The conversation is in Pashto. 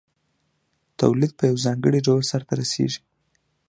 تولید په یو ځانګړي ډول ترسره کېږي